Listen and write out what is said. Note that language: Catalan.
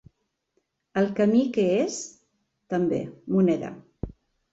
El camí que és, també, moneda.